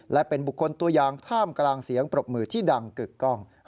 และเป็นบุคคลตัวอย่างท่ามกลางเสียงปรบมือที่ดังกึกกล้อง